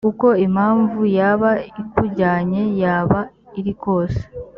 uko impamvu yaba ikujyanye yaba iri kose